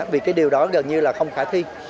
vì cái điều đó gần như là không khả thi